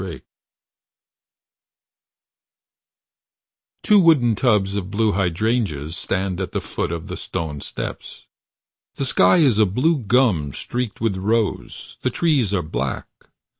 pdf Two wooden tubs of blue hydrangeas stand at the foot of the stone steps . The sky is a blue gum streaked with rose. The trees are black.